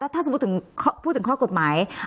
ถ้าสมมุติพูดถึงข้อกฎหมาย